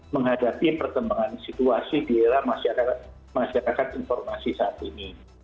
menghadapi perkembangan situasi di era masyarakat informasi saat ini